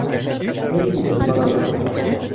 Эйе бит, балалар?!